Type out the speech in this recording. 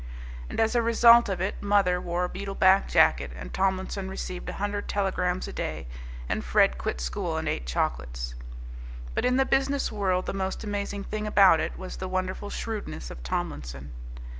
And as a result of it "mother" wore a beetle back jacket; and Tomlinson received a hundred telegrams a day, and Fred quit school and ate chocolates. But in the business world the most amazing thing about it was the wonderful shrewdness of Tomlinson.